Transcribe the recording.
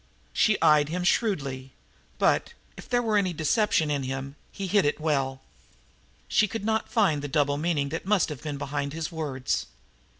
She eyed him shrewdly, but, if there were any deception in him, he hid it well. She could not find the double meaning that must have been behind his words.